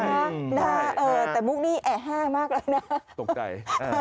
ยิ้มได้นะฮะแต่มุกนี้แอฮ่ามากเลยนะฮะฮ่าฮ่าฮ่าฮ่าฮ่าตกใจ